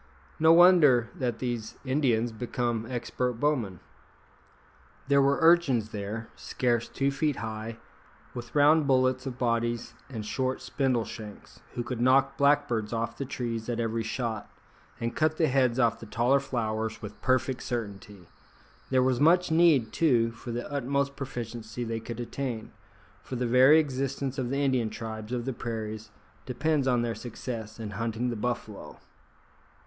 No wonder that these Indians become expert bowmen. There were urchins there, scarce two feet high, with round bullets of bodies and short spindle shanks, who could knock blackbirds off the trees at every shot, and cut the heads off the taller flowers with perfect certainty! There was much need, too, for the utmost proficiency they could attain, for the very existence of the Indian tribes of the prairies depends on their success in hunting the buffalo.